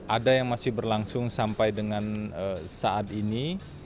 ada yang masih berlangsung sampai dengan saat ini